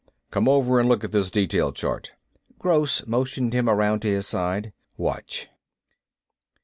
"Come over and look at this detail chart." Gross motioned him around to his side. "Watch!"